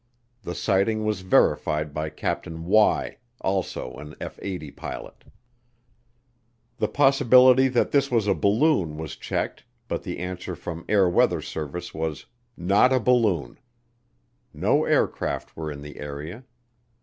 The sighting was verified by Capt. , also an F 80 pilot. The possibility that this was a balloon was checked but the answer from Air Weather Service was "not a balloon." No aircraft were in the area.